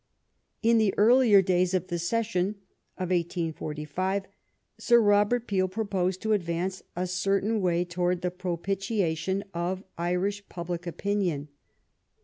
In the earlier days of the session of 1845 Sir Robert Peel proposed to advance a certain way towards the propitiation of Irish public opinion.